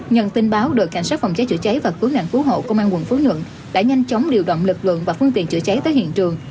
nhận tin báo đội cảnh sát phòng cháy chữa cháy và cứu nạn cứu hộ công an quận phú nhuận đã nhanh chóng điều động lực lượng và phương tiện chữa cháy tới hiện trường